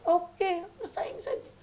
oke bersaing saja